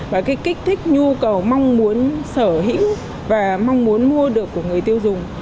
và cái kích thích nhu cầu mong muốn sở hữu và mong muốn mua được của người tiêu dùng